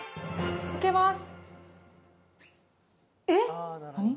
開けます。